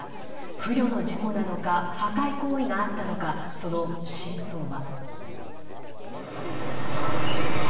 不慮の事故なのか破壊行為があったのかその真相は。